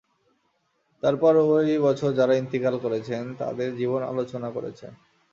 তারপর ঐ বছর যারা ইনতিকাল করেছেন তাঁদের জীবনী আলোচনা করেছেন।